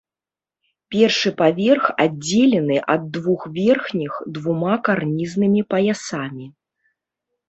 Першы паверх аддзелены ад двух верхніх двума карнізнымі паясамі.